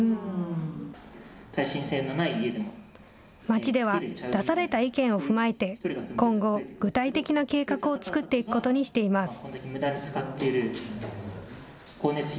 町では、出された意見を踏まえて、今後、具体的な計画を作っていくことにしています。